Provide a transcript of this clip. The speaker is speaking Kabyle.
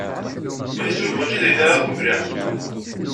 Meḥsub mačči d ayen ara qebleɣ.